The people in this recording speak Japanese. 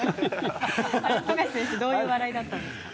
あれは富樫選手どういう笑いだったんですか？